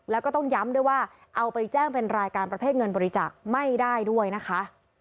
แล้วก็ต้องย้ำด้วยว่าเอาไปแจ้งเป็นรายการประเภทเงินบริจาคไม่ได้ด้วยนะคะ